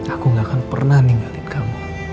aku gak akan pernah ninggalin kamu